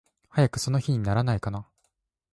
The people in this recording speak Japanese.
早くその日にならないかな。